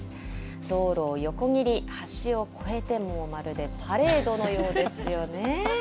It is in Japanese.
道路を横切り、橋を越えて、もうまるでパレードのようですよね。